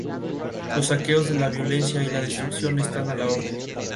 Los saqueos, la violencia y la destrucción están a la orden.